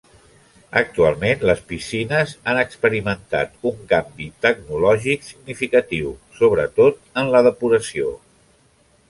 Actualment les piscines han experimentat un canvi tecnològic significatiu, sobretot en la depuració.